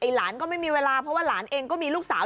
หลานก็ไม่มีเวลาเพราะว่าหลานเองก็มีลูกสาว